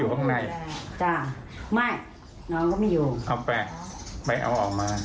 อยู่บ้านใช่ไหมรู้ว่าอยู่ข้างในจ้ะไม่น้องก็ไม่อยู่